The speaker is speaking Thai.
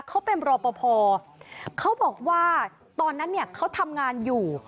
เขาเป็นรอปภเขาบอกว่าตอนนั้นเนี่ยเขาทำงานอยู่